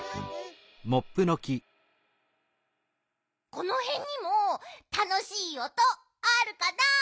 このへんにもたのしいおとあるかな？